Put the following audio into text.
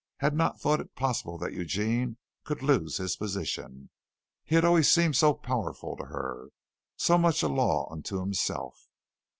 Had not thought it possible that Eugene could lose his position. He had always seemed so powerful to her; so much a law unto himself.